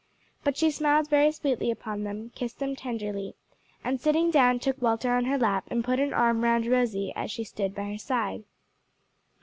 But she smiled very sweetly upon them, kissed them tenderly, and sitting down, took Walter on her lap and put an arm round Rosie as she stood by her side.